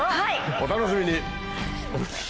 お楽しみに。